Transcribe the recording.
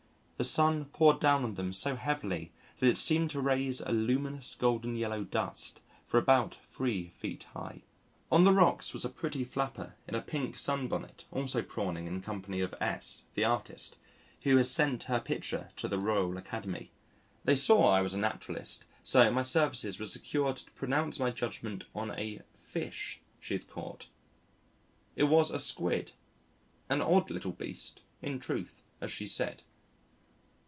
The sun poured down on them so heavily that it seemed to raise a luminous golden yellow dust for about three feet high. On the rocks was a pretty flapper in a pink sunbonnet also prawning in company of S , the artist, who has sent her picture to the Royal Academy. They saw I was a naturalist, so my services were secured to pronounce my judgment on a "fish" she had caught. It was a Squid, "an odd little beast," in truth, as she said.